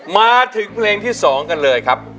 มาถึงเพลงที่๒กันเลยครับ